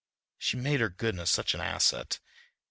She made her goodness such an asset.